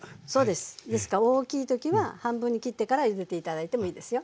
大きい時は半分に切ってから入れて頂いてもいいですよ。